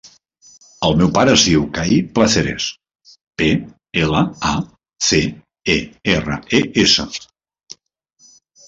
El meu pare es diu Kai Placeres: pe, ela, a, ce, e, erra, e, essa.